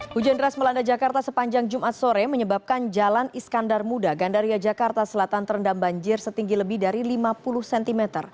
hujan deras melanda jakarta sepanjang jumat sore menyebabkan jalan iskandar muda gandaria jakarta selatan terendam banjir setinggi lebih dari lima puluh cm